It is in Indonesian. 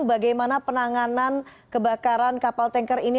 bagaimana penanganan kebakaran kapal tanker ini